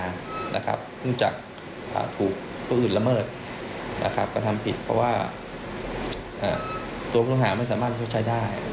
เนื่องจากถูกผู้อื่นละเมิดกระทำผิดเพราะว่าตัวผู้ต้องหาไม่สามารถชดใช้ได้